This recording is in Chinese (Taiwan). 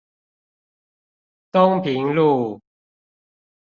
東平路